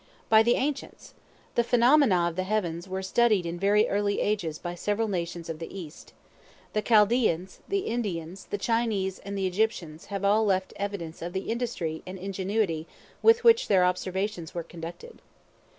By the ancients. The phenomena of the heavens were studied in very early ages by several nations of the East. The Chaldeans, the Indians, the Chinese and the Egyptians have all left evidence of the industry and ingenuity with which their observations were conducted.